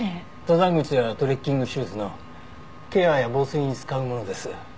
登山靴やトレッキングシューズのケアや防水に使うものです。